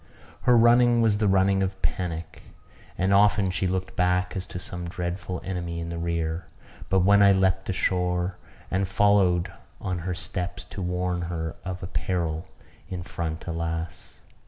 Her running was the running of panic; and often she looked back as to some dreadful enemy in the rear. But when I leaped ashore, and followed on her steps to warn her of a peril in front, alas!